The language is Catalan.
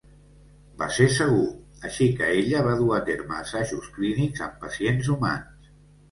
Va ser segur, així que ella va dur a terme assajos clínics amb pacients humans.